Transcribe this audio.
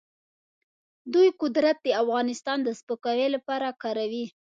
دوی قدرت د افغانستان د سپکاوي لپاره کاروي.